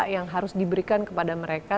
yang harus diberikan kepada mereka